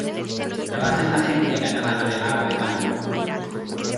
Trabaja en la Agencia Catalana del Agua, Iván.